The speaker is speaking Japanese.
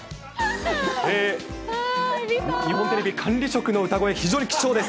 日本テレビ管理職の歌声、非常に貴重です。